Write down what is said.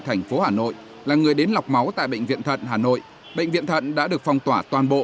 thành phố hà nội là người đến lọc máu tại bệnh viện thận hà nội bệnh viện thận đã được phong tỏa toàn bộ